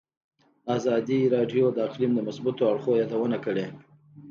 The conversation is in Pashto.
ازادي راډیو د اقلیم د مثبتو اړخونو یادونه کړې.